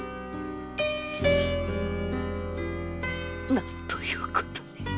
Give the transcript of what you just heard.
なんということに。